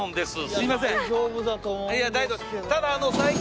すいません